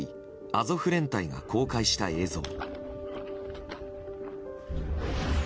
アゾフ連隊が公開した映像。